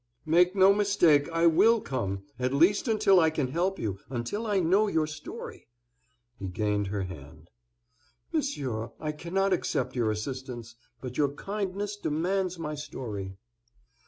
"Make no mistake, I will come, at least until I can help you, until I know your story." He gained her hand. "Monsieur, I cannot accept your assistance; but your kindness demands my story."